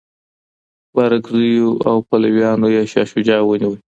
بارکزیو او پلویانو یې شاه شجاع ونیوه.